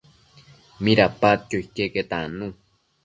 Midapadquio iqueque tannu